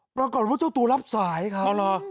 ปรากฏว่าเจ้าตัวรับสายครับอ๋อเหรอ